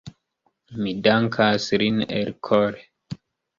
Mi dankas lin elkore.